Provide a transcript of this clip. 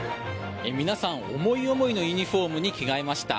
皆さん、思い思いのユニホームに着替えました。